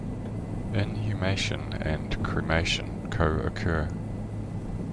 Inhumation and cremation co-occur.